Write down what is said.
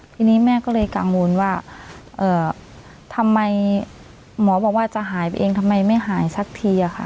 ทีนี้แม่ก็เลยกังวลว่าทำไมหมอบอกว่าจะหายไปเองทำไมไม่หายสักทีอะค่ะ